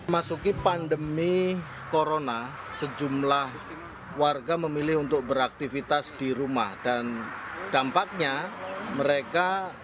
masuki pandemi corona sejumlah warga memilih untuk beraktivitas di rumah dan dampaknya mereka